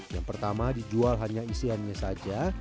yang pertama dijual hanya isiannya saja